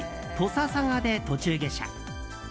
佐賀で途中下車。